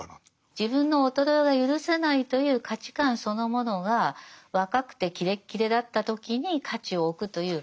自分の衰えは許せないという価値観そのものが若くてキレッキレだった時に価値を置くという評価軸ですよね。